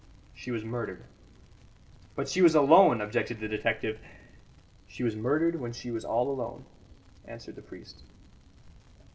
"She was murdered." "But she was alone," objected the detective. "She was murdered when she was all alone," answered the priest.